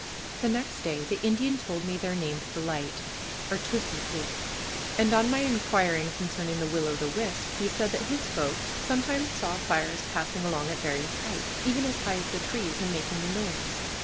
The next day the Indian told me their name for the light artoosoqu' and on my inquiring concerning the will o' the wisp he said that his "folks" sometimes saw fires passing along at various heights, even as high as the trees, and making a noise.